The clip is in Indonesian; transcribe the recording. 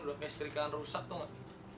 udah misterikan rusak tau gak